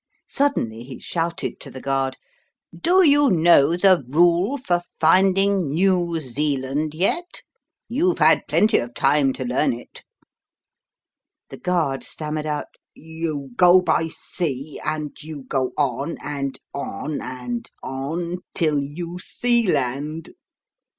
Suddenly he shouted to the guard, "Do you know the rule for finding New Zealand yet? You've had plenty of time to learn it." The guard stammered out, "You go by sea, and you go on, and on, and on till YOU SEE LAND."